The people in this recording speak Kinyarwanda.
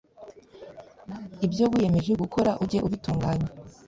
ibyo wiyemeje gukora ujye ubitunganya